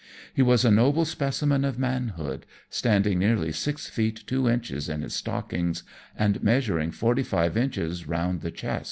He was a noble specimen of manhood, standing nearly six feet two inches in his stockings, and measuring forty five inches round the chest.